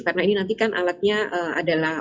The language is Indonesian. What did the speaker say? karena ini nanti kan alatnya adalah